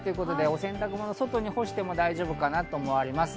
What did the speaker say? お洗濯物を外に干しても大丈夫かと思われます。